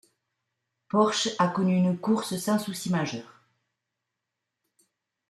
Porsche a connu une course sans soucis majeur.